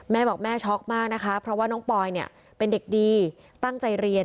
แม่บอกแม่ช็อกมากนะคะเพราะว่าน้องปอยเนี่ยเป็นเด็กดีตั้งใจเรียน